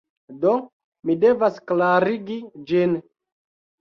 Do, mi devas klarigi ĝin.